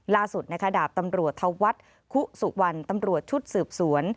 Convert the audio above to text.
ล่าสุดนะคะดาบตำรวจธวัฒน์คุสุวรรณตำรวจชุดสืบสวน